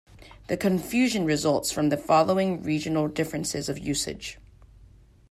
The confusion results from the following regional differences of usage.